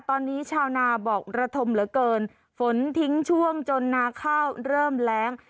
ตอนนี้ชาวนาบอกระทมเหลือเกินฝนทิ้งช่วงจนนาข้าวเริ่มแรง